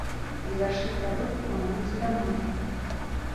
Завяршыць работы плануецца да мая.